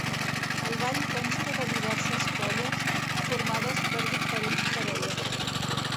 El ball consta de diverses colles, formades per diferents parelles.